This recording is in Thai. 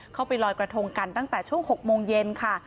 เข้าไปลอยกระทงกันตั้งแต่ช่วง๖โมงเย็นค่ะ